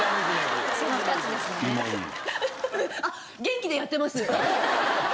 あっ元気でやってます。